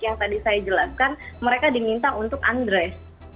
yang tadi saya jelaskan mereka diminta untuk undres